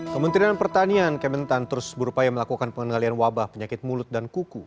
kementerian pertanian kementan terus berupaya melakukan pengendalian wabah penyakit mulut dan kuku